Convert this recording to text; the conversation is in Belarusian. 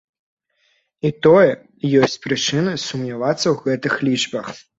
І тое, ёсць прычыны сумнявацца ў гэтых лічбах.